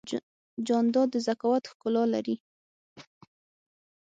جانداد د ذکاوت ښکلا لري.